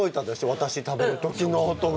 私食べる時の音が。